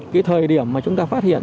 cái thời điểm mà chúng ta phát hiện